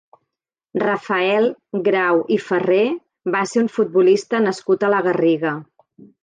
Rafael Grau i Ferrer va ser un futbolista nascut a la Garriga.